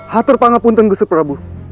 hathor pangapun tenggusu prabu